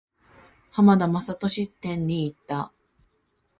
浜田雅功展に行った。